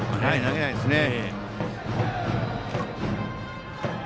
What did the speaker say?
投げないですね。